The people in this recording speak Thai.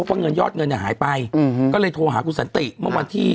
พูดว่าเงินยอดคือเงินเนี่ยหายไปก็เลยโทรหาคุณสัติม่วงวันที่๘